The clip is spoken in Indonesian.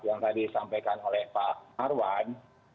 yang tadi disampaikan oleh pak marwan